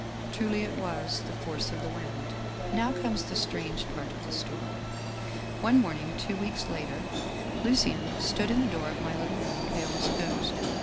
Truly it was ' The Force of the Wind/ " Now comes the strange part of the story. One morn ing, two weeks later, Lucien stood in the door of my little room, pale as a ghost.